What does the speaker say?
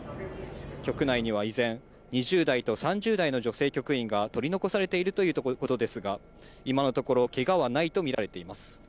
局内には依然、２０代と３０代の女性局員が取り残されているということですが、今のところ、けがはないと見られています。